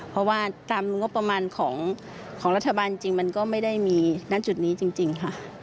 เพราะว่าตามงบประมาณของรัฐบาลจริงมันก็ไม่ได้มีณจุดนี้จริงค่ะ